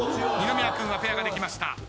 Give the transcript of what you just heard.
二宮君はペアができました。